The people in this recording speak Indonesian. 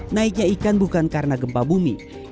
naiknya ikan bukan karena gempa bumi